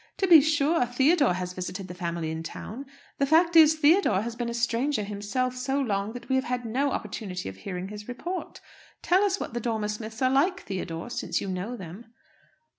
"To be sure, Theodore has visited the family in town. The fact is, Theodore has been a stranger himself so long, that we have had no opportunity of hearing his report. Tell us what the Dormer Smiths are like, Theodore, since you know them."